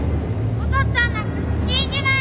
お父っつぁんなんか死んじまえ。